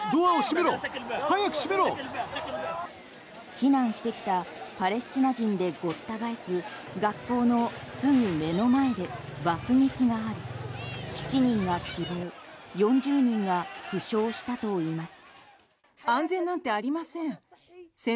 避難してきたパレスチナ人でごった返す学校のすぐ目の前でバスに爆撃があり７人が死亡４０人が負傷したといいます。